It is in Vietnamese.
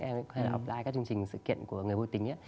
em cũng hay là offline các chương trình sự kiện của người vô tính